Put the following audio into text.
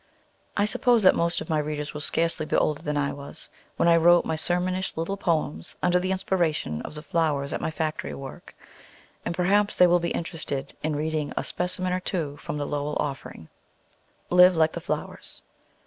I suppose that most of my readers will scarcely be older than I was when I wrote my sermonish little poems under the inspiration of the flowers at my factory work, and perhaps they will be interested in reading a specimen or two from the "Lowell Offering:" LIVE LIKE THE FLOWERS.